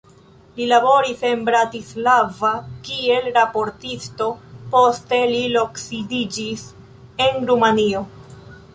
Li laboris en Bratislava kiel raportisto, poste li loksidiĝis en Rumanio.